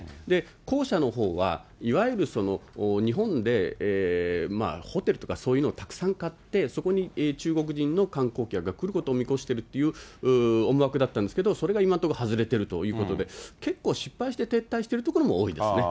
後者のほうは、いわゆる日本でホテルとかそういうのをたくさん買って、そこに中国人の観光客が来ることを見越してるという思惑だったんですけど、それが今のところ外れてるということで、結構、失敗して撤退しているところも多いですね。